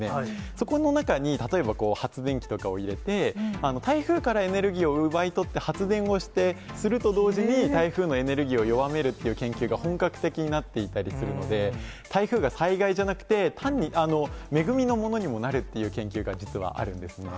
そこの中に例えばこう、発電機とかを入れて、台風からエネルギーを奪い取って、発電をして、すると同時に、台風のエネルギーを弱めるという研究が本格的になっていたりするので、台風が災害じゃなくて、単に、恵みのものにもなるという研究が実はあるんですね。